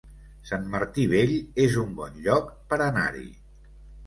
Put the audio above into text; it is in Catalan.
Sant Martí Vell es un bon lloc per anar-hi